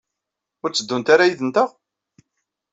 Ur tteddunt ara yid-nteɣ?